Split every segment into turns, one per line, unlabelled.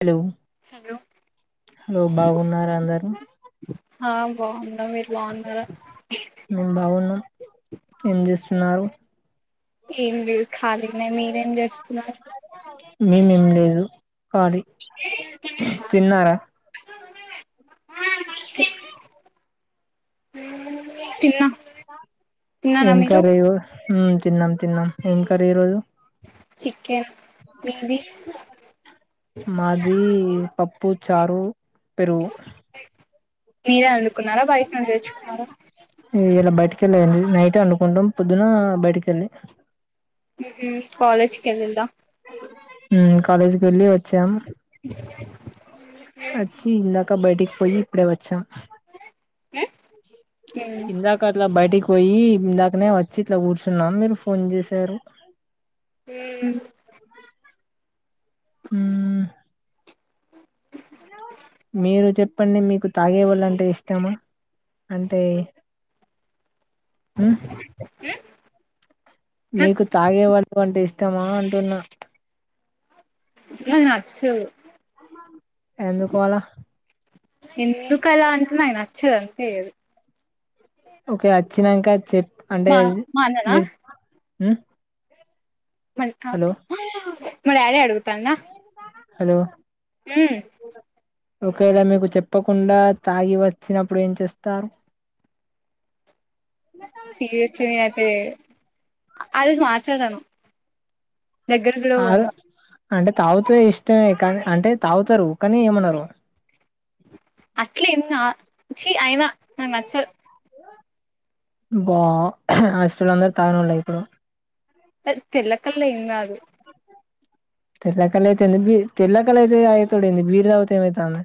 Hello
hello
hello బాగున్నారా అందరు
ఆ బాగుందా మీరు బాగున్నా
మేం బాగున్నాం ఏం చేస్తున్నారు
ఏం లేదు ఖాళీనయి మీరేం చేస్తున్నారు
కాలి తిన్నారా
[unintelligible] తిన్నా తిన్నానా మీరు
హ తిన్నాం తిన్నాం ఏం కరీరోజ
చికెన్ బింది
మాది పప్పు చారు పెరుగు
మీరే వండుకున్నారా బయట నుండి తెచ్చుకున్నారా
ఎకెళ్ళండి నైట్ అండుకుంటాం పొద్దున బయటికి వెళ్ళి
కాలేజ్కి వెల్లింర
ఉ కాలేజ్కి వెళ్ళి వచ్చాం వచ్చి ఇందాక బయటికి పోయి ఇప్పుడే వచ్చాం
హ
ఇందాకట్లా బయటికి పోయి ఇందాకనే వచ్చి ఇట్లా కూర్చున్నా మీరు ఫోన్ చేశారు
హ
హ
అ
మీరు చెప్పండి మీకు తాగేవాళ్లు అంటే ఇష్టమా అంటే మీకు తాగేవాళ్లు అంటే ఇష్టమా అంటున్నా
నాకు నచ్చదు
ఎందుకు అలా
ఎందుకలా అంటున్నా నచ్చదు అంతే అది
ఓకే వచ్చినాంక చె
మా మానరా
హ
మా డాడీ అడుగుతాండ
హలో
హ
ఒకేళ మీకు చెప్పకుండా తాగి వచ్చినప్పుడు ఏం చేస్తారు
సీరియస్లీఐతే ఆరోజు మాట్లాడను దగ్గరలో
ఆరు
వుంది
అంటే తాగుతే ఇష్టమే కానీ అంటే తాగుతారు కానీ ఏమనరు
అట్లేం కా ఛీ అయినా నాకు నచ్చదు
అబ్బ హాస్టలొ అందరు తాగనోల్లె ఇప్పుడు
తెల్లకల్లె ఏం కాదు
తెల్లకళయితేంది బీ తెల్లకల్లు అయితే అయితుడేంది బీర్ తాగితే ఏమైతాంది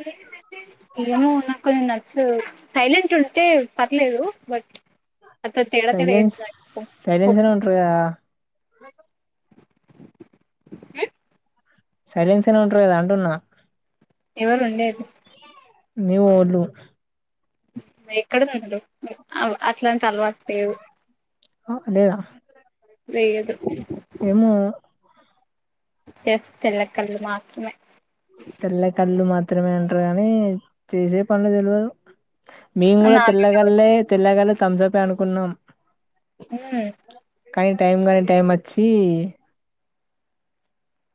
ల్ స [unintelligible] ఏమో నాకు కొంచెం నచ్చదు సైలెంట్ ఉంటే పర్లేదు బట్ కొంచెం తేడా తేడా
సైలెన్స్
చేస్తరు కోపం వస్తది
మ [unintelligible]
ఏ [unintelligible]
సైలెన్స్ గనే ఉంటారు కదా అంటున్నా
ఎవరు ఉండేది
మీ వొళ్ళు
ఎక్కడు ఉన్నారు అట్లాంటి అలవాటు లేవు
ఆ లేద
లేదు జస్ట్ తెల్లకల్లు మాత్రమే
తెల్ల కళ్ళు మాత్రమే అంటారు కానీ చేసే పనులు తెలవదు మేము కూడా
నాకు
తెల్లగలే తెల్లగల థమ్స్ అప్ అనుకున్నాం
హ
కానీ టైం గాని టైం వచ్చి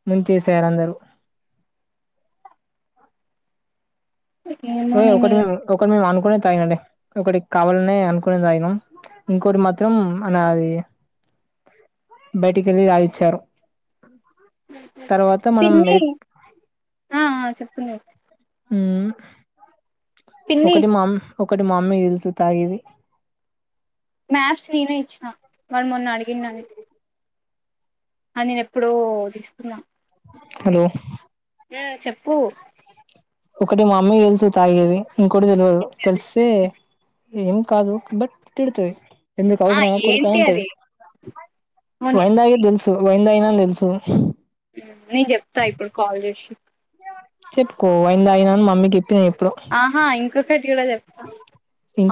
ముంచేసారు అందరూ
ఏమో
ఏ
నేను
ఒకటి మేము ఒకటి మేము అనుకునే తాగినంలే ఒకటి కావాలనే అనుకునే తాగినం ఇంకోటి మాత్రం మనఅది బయటికళ్ళి తాగిచ్చారు తర్వాత మనం మెరిట్
స
హ్మ్
పిన్ని
ఒకటి మామ్ ఒకటి మమ్మీ ఎలుసు తాగిది
మ్యాప్స్ నేనే ఇచ్చినా మరి మొన్న అడిగిందని ఆ నేను ఎప్పుడూ తీస్తున్నా
హలో
ఆ చెప్పు
ఒకటి మా అమకి తెలుసు తాగేది ఇంకోటి తెలియదు తెలిస్తే ఏం కాదు బట్ తిడతది ఎందుకు
ఆ
అవసరం మాకుడుక
ఏంటి
ఉంటది
అది ఏమో నీకు
వయిందగ తెలుసు వైన్ తగిన తెలుసు
నేను చెప్తా ఇప్పుడు కాల్ చేసి
చెప్పుకో అయింద అయినను మమ్మీకి చెప్పిన చె
ఆహా ఇంకొకటి కూడా చెప్తాం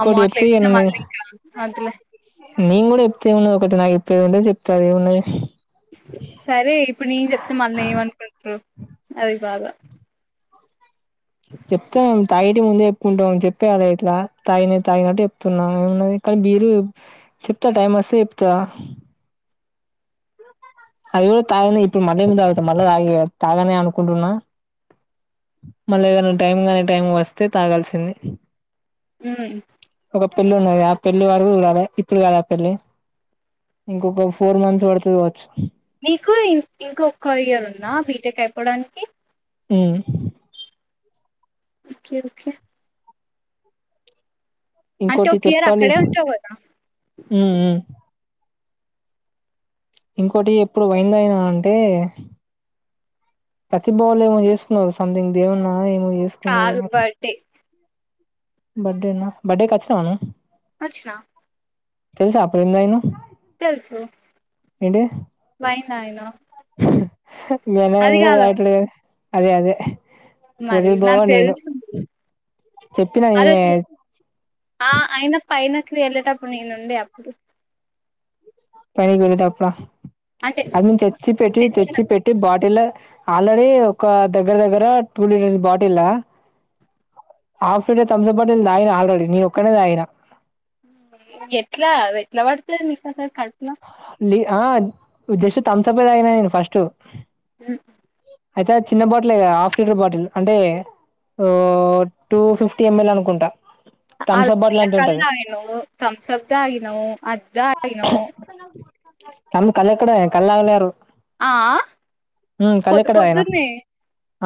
అ మాట్లు
చెప్తే ఇగ
ఎతే
నువ్వు
మళ్ళీ ఇంకా అందులే
నేను కూడా చెప్తే ఏ ఉన్నది ఒకటి నాకు ఇప్ప ఉంటేది చెప్తది ఏమున్నది
సరే ఇప్పుడు నేను చెప్తే మళ్ళని ఏమనుకుంటారు అది బాధా
చెప్తాం తాగేటి ముందే కుంటా చెప్పే అద అట్లా తా తాగినట్టు చెప్తున్నా ఏ కానీ మీరు చెప్తా టైం మాసేపుత అయ తయనే ఇప్పుడు మళ్ళీ తాగుత మళ్ళా తాగి తాగానే అనుకుంటున్నా మళ్ళీ ఏదనా టైమ్ కానే టైం వస్తే తాగాల్సింది
హ్మ్
ఒక పెళ్ళి ఉన్నది ఆ పెళ్లి వరకు కదా ఇప్పుడు కాదా ఆ పెళ్లి ఇంకొక ఫోర్ మంత్స్ పడుతు కావచ్చు
నీకు ఇంక ఒక్క ఇయర్ ఉందా బీటెక్ అయిపోవడానికి
అ
ఒకే ఒకే అంటే
ఇంకోటి
ఒక ఇయర్
చెప్పాలి
అక్కడే ఉంటావు కదా
హ్మ్ ఇంకోటి ఎప్పుడు వైందయినా అంటే ప్రతిభావలు ఏమో చేసుకున్నారు సంథింగ్ దేమన్నా ఏమో
కాల్ బర్డే
బర్డేనా బర్డే ఖచ్చిన నను
అచ్చనా
అప్పుడు ఏం తగ్గినావ్
తెలుసు వైన్ తాగినా
జనలే అదే అదే
మరి
ప్రదీప్ బావ
నాకు
నేను
తెలుసు
చెప్పిన
అరే
నేనే
అయిన పైనకి వెళ్లటప్పు న ను ఉండ అప్పుడు
పని కుడదు అప్పుడ
అంటే
అది తెచ్చి పెట్టి
తెలిసిన
తెచ్చి పెట్టి బాటిల్ లా ఆల్రెడీ ఒక దగ్గర దగ్గర two litres bottle half litre Thums up bottle తగిన ఆల్రెడీ నేను ఒక్కనేదాయినా
ఎట్లా ఎట్లా పడుతుంది మీకు అసాల్ కడుపూ లో
లీ జస్ట్ థమ్స అప్పే తాగిన నేను ఫస్ట్
హ్మ్
అయితే చిన్న బాటిల్ హాఫ్ లీటర్ బాటిల్ అంటే ఓ టూ ఫిఫ్టీ ఎంఎల్ అనుకుంట
అ కళయిన సంశబ్దగన అద్దగన
తమ్ కల్క్డయ కళాలనేరు
ఆ పొద్దు
కలక్కడ అయనా
పొద్దున్నే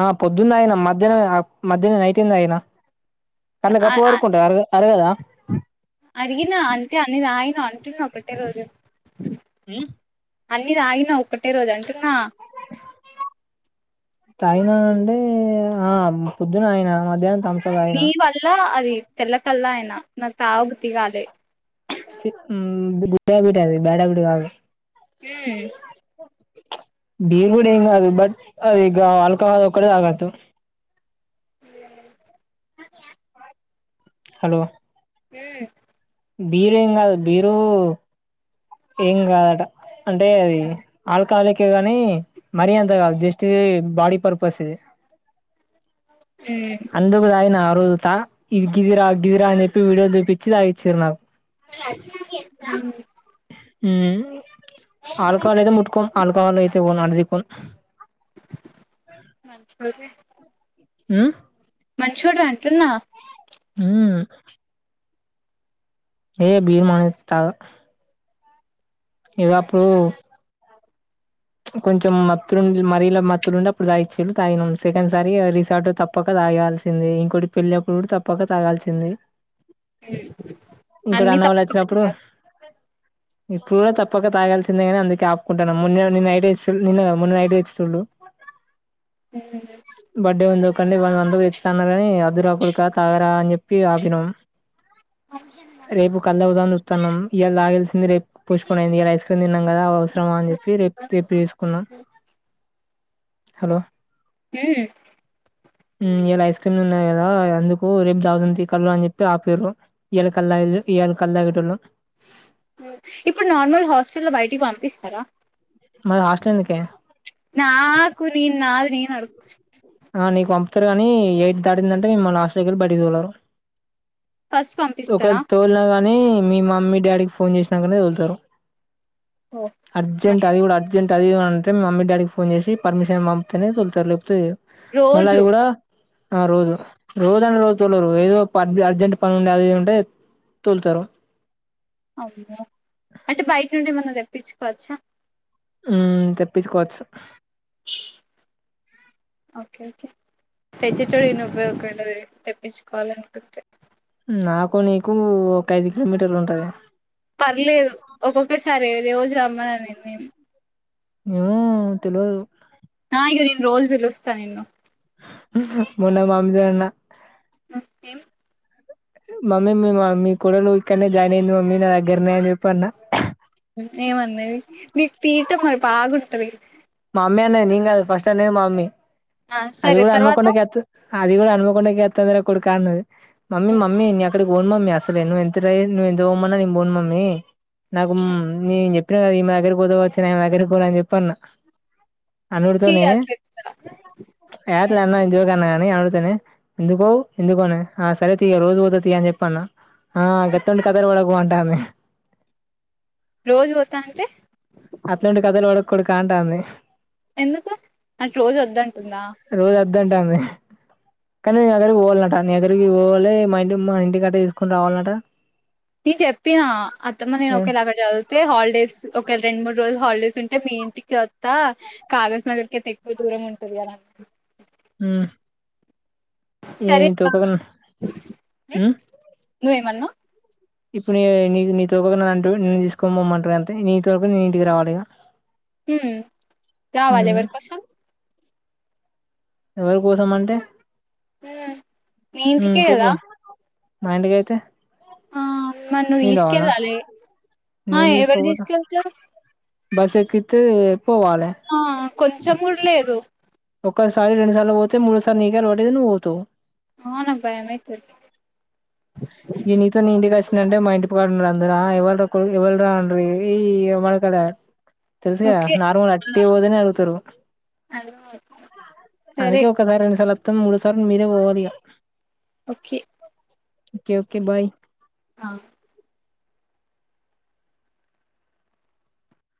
ఆ పొద్దున్న ఆయన మధ్యాహ్న మధ్యాహ్న నైట్ ఉంద అయనా కనీ గప్ప వరకుంటాయి అర అరగదా
అడిగిన అంతే అనేది ఆయన అంటున్నా ఒకటే రోజు
ఆ
అన్ని తాగిన ఒక్కటే రోజు అంటున్నా
తైనా అంటే ఆ పొద్దున ఆయన మధ్యాహ్నం త
నీ వల్ల అది తెల్లకల్లా అయిన నాకు తాగ బుద్ధి కాలే
బబడ అది బ్యాడ బడ కాదు
ఆ
బీల్ గుడి హంగ్ అదు బట్ అది ఈగ ఆల్కాహద్ ఒకక్కడే ఆగతు హలో
ఉ
బీరు ఏం కాదు బీరు ఏం కాదట అంటే అది ఆ కాలకిగాని మరియాంత కాదు జస్ట్ ఇది బాడీ పర్పస్ ఇది అందుకుదాయి నారుజతా ఇది గిదిరా గిదిరా అని వీడియో చూపిచ్చితాగిచ్చిర్రు నాకు
మల్ల ఆచ్చినాక చెప్తా
ఉ ఆల్కహాల్ అయితే ముట్టుకోం ఆల్కాహల్ అయితే పోన్ అన్నది పొన్
చచ్చిపోతే
హు
మంచోడు అంటున్నా
హు ఏయ్ బీర్ మణ తగా ఇగ అప్పుడు కొంచెం మత్తు మరిల మత్తులుండి అప్పుడు తాగిచిల్లు తగినం సెకండ్ సారి రిసార్ట్ తప్పకా తాగాల్సిందే ఇంకోటి పెళ్లప్పుడు కూడా తప్పక తాగాల్సిందే ఇంకో
అన్ని
అన్నవాళ్ళు
తప్ప
వచ్చినప్పుడు ఇప్పుడు కూడా తప్పక తాగాల్సిందేగాని అందుకే ఆపుకుంటున్నాం ముందే ఉమ్ నిన్న కాదు మొన్న నైట్ ఏసిల్లు బడ్డే ఉన్నప్ అండి వాళ్ళ అందకు ఇస్తాన్నాగాని కాని అద్దురపుల్కతాగరా అని చెప్పి ఆపినాం రేపు కళ్ళుతాగుదామని చుస్తన్నాం ఇయల తాగాల్సింది రేప్ పోస్ట్ పోన్ అయ్యింది కదా ఐస్క్రీమ్ తిన్నాం కదా అవసరమా అని చెప్పి రేప్ తెప్పి తీసుకున్నా హలో
హు
ఇలా ఐస్ క్రీమ్లు ఉన్నాయి కదా అందుకు రేపు తాగుదాం తీ కళ్ళు అని చెప్పి ఆపిర్రు ఇయల కళ్ళు తాగిన ఇయాల కళ్ళు తాగేటోళ్లు
ఇప్పుడు నార్మల్ హాస్టల్లో బయటికి పంపిస్తారా
మరి హాస్టల్ ఎందుకే?
నాకు నేను నాది నేను అడు [inaudible]
ఆ నీకు పంపుతారు గాని ఎయిట్ దాడిందంటే మిమ్మల్ని హాస్టల్కిఎళ్లి బయటికి తోలరు
ఫస్ట్ పంపిస్తారా
ని మీ మమ్మీ డాడీకి ఫోన్ చేసినాకనే తొలుతారు
ఓ
అర్జెంట్ అది
అట్లా
కూడా అర్జెంట్ అది అంటే మమ్మీ డాడీకి ఫోన్ చేసి పర్మిషన్ పమ్తేనే తొలుతారు లేప్తే మళ్ళీ
రోజు
అది కూడా ఆ రోజు రోజు అ రోజు తోలరు ఏదో అర్జెంట్ పని ఉణ్యాది అంటే తోలుతార
అవున అంటే బయట నుండి ఏమన్న తెప్పిచుకోవచ్చా
మ్మ్ తెప్పిచుకోవచ్చు
ఓకే ఓకే తెచ్చేటోడు ఇంగ ఉపయోగం [unintelligible] తెప్పిచుకోవాలి అనుకుంటే
నాకు నీకు ఒక ఐదు కిలోమీటర్లు ఉంటది
పర్లేదు ఒక్కొక్కసారె రోజు రమ్మనను నిన్ని ఏమి
ఏమో తెల్వదు
ఆ ఇగ నేన్ రోజు పిలుస్త నిన్ను
హ్మ్ హు మొన్న మమ్మీ [unintelligible]
ఆ ఏమ్
మమ్మీ మీ మమ్మీ కోడల్ ఇక్కడనే జాయిన్ అయింది మమ్మీ నా దగ్గరనే అని చెప్పల్నా
మ్మ్ ఏమన్నది నీకు తీట మరి బాగుంటది
మామ్మీ అన్నది నేను గాదు ఫస్ట్ అన్నది మామ్మీ
ఆ
అది
సరే
కూడా
తర్వాత
హన్మకొండ కి వచ్చు అది కూడా హనుమకొండకె వత్తది రా కొడుకా అన్నది మమ్మీ మమ్మీ ఇంగ ఎక్కడ పోను మమ్మీ అసల్ నేను నువ్వు ఎంత ట్రై నువ్వు ఎంత పోమ్మన్నా నీ పోను మమ్మీ నాకు నీ చెప్ప ఇంక ఈమె దగ్గరకి పోతే పోవ్వచు నే దగ్గర పోను అని చెప్పి అన్న
తీ
అనుడతోనే
అట్ల ఇట్లా
యా అట్ల అన్నా ఇంక ఊకన్న నీ అగుతేనే ఎందుకు పోవు ఎందుకు పోని ఆ సరే తీ ఇగ రోజు పోతది తీ అని అన్న ఆ గట్టంది కాదరు కు పూ అంటాంది
రోజు పోతాను అంటే
అట్లాంటి కథలు పడకు కొడుకా అంటాంది
ఎందుకు అట్ల రోజు వద్దంటుందా
రోజు వద్దంటాంది కానీ నీ దగ్గరకి పోవాలట నీగ్గరకి పోవాలి మా ఇంటి మా ఇంటి గట్టే తీసుకుని రావాలంట
నేను చెప్పిన అత్తమ్మ నేను ఒకవేళ అక్కడ చదివితే హాలిడేస్ ఒకేళ రెండు మూడు డు హాలిడేస్ ఉంటే మీ ఇంటికి వత్తా కాగజ్ నగర్ క అయితే ఎక్కువ దూరం ఉంటది అని అన్న
మ్మ్
సరే [unintelligible] మ్మ్
హ్మ్
నువ్వేమన్నావ్
ఇప్పుడు ఏ నీ నీతో నన్నను తీసుకోమమ్మంటారు అంతే నీ నేను ఇంటికి రావాలి ఇగ
హ్మ్ రావాలే
హ్మ్
ఏవరికోసం
ఎవరి కోసం అంటే
మీ ఇంటి
హ్మ్
కే
చెప్పు
కదా
మా ఇంటికైతే
ఆ నన్ను
నేను రావనా
తీసుకెళ్ళాలి ఆ ఎవ్వరు తీసుకెళ్తారూ
బస్సు ఎక్కిత్తే ఈ పోవాలే
మూడ్ లేదు
ఒక్కసారి రెండు సార్లు పోతే మూడోసారి నీకే అలవాటు అయితది నువ్వు పోతావ్
ఆ నాక్ భయమైతది
ఈ నీతో నే ఇంటికొస్ స్తుంటే మా ఇంటి ప కడున్నోళ్లు అందరు ఆ ఎవ్వరు రా పోరి ఎవ్వరు రా అంటరు ఇంగ ఈ ఈ [unintelligible] తెల్సుసు
ఓకే.
గద నార్మల్
ఆ!
అట్టే పోతేనే అడుగుతారు
అర్థమవుతుంది. సరే.
అందుకే ఒకసారి రెండుసార్లు వత్త మూడో సారి మీరే పోవాలి ఇగ
ఓకే
ఓకే ఓకే బాయ్
ఆ